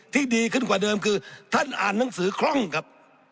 ดีขึ้นกว่าเดิมคือท่านอ่านหนังสือคล่องครับ